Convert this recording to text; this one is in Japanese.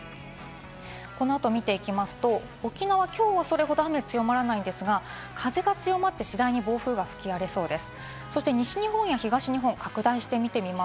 この後を見ていきますと、沖縄はきょう、それほど雨は強まらないんですが、風が強まって、次第に暴風が吹き荒れそうです。